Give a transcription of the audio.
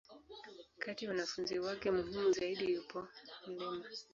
Kati ya wanafunzi wake muhimu zaidi, yupo Mt.